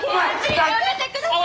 やめてください！